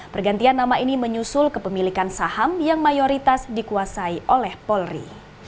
pergantian nama ini menyusul kepemilikan saham yang mayoritas dikuasai oleh polri